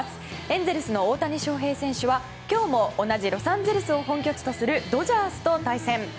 エンゼルスの大谷翔平選手は今日も同じロサンゼルスを本拠地とするドジャースと対戦。